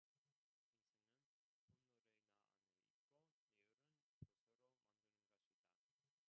인생은 오늘의 나 안에 있고 내일은 스스로 만드는 것이다.